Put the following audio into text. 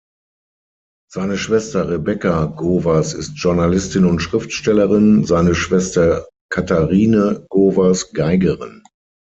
Seine Schwester Rebecca Gowers ist Journalistin und Schriftstellerin, seine Schwester Katharine Gowers Geigerin.